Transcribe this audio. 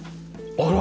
あら！